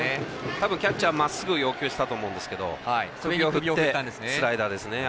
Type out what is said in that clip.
たぶん、キャッチャーはまっすぐを要求したと思うんですけど首を振ってスライダーですね。